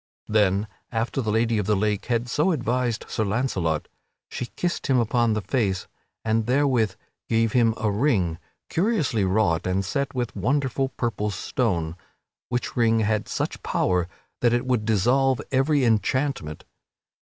Then, after the Lady of the Lake had so advised Sir Launcelot, she kissed him upon the face, and therewith gave him a ring curiously wrought and set with a wonderful purple stone, which ring had such power that it would dissolve every enchantment.